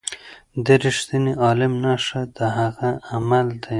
د رښتیني عالم نښه د هغه عمل دی.